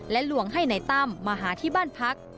ลวงให้นายตั้มมาหาที่บ้านพัก